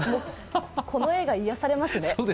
この画が癒やされますね。